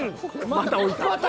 また置いた。